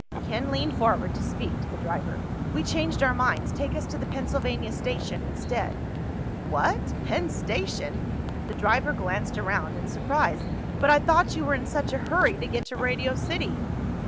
Ken leaned forward to speak to the driver. "We changed our minds. Take us to the Pennsylvania Station instead." "What? Penn Station?" The driver glanced around in surprise. "But I thought you were in such a hurry to get to Radio City."